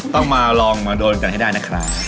ต้องมาลองมาโดนกันให้ได้นะครับ